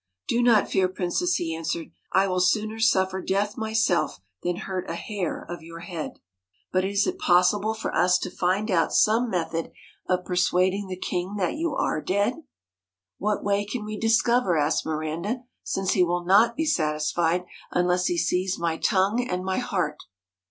4 Do not fear, princess,' he answered, ' I will sooner suffer death myself than hurt a hair of your head. MIRANDA But is it possible for us to find out some method of persuading the king that you are dead ?' 'What way can we discover,' asked Miranda, 'since he will not be satisfied unless he sees my tongue and my heart